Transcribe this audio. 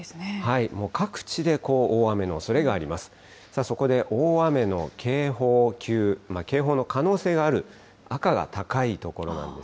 各地で大雨のおそれがあります。